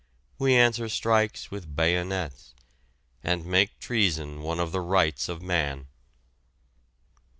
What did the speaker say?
We answer strikes with bayonets, and make treason one of the rights of man.